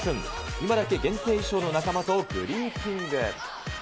今だけ限定衣装の仲間とグリーティング。